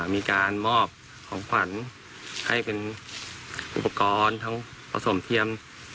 มีการมอบของขวัญให้เป็นอุปกรณ์ทั้งผสมเทียม